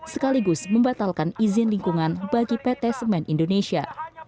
sekaligus membatalkan izin lingkungan bagi pt semen indonesia